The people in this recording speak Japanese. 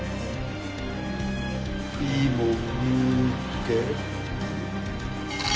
いいもん見っけ！